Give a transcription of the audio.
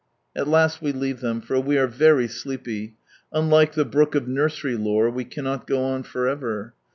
At last we leave them, for we are very sleepy ; unlike the brook of nursery lore, we cannot " go on for ever."